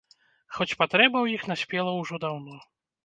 Хоць патрэба ў іх наспела ўжо даўно.